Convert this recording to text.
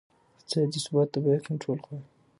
اقتصادي ثبات د بیو کنټرول غواړي.